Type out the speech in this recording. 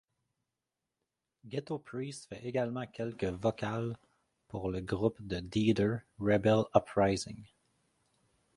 Ghetto Priest fait également quelques vocals pour le groupe de Deeder, Rebel Uprising.